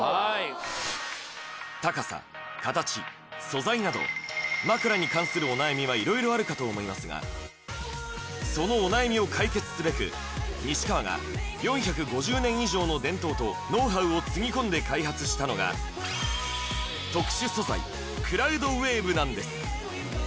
高さ形素材など枕に関するお悩みはいろいろあるかと思いますがそのお悩みを解決すべく西川が４５０年以上の伝統とノウハウをつぎ込んで開発したのがなんです